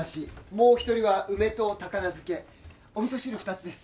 もうお一人は梅と高菜漬けお味噌汁２つです